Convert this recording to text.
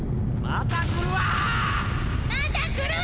・また来るわ！